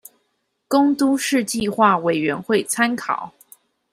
供都市計畫委員會參考